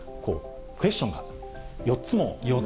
クエスチョンが４つも。